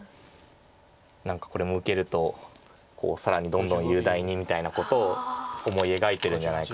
何かこれも受けると更にどんどん雄大にみたいなことを思い描いてるんじゃないかなとは。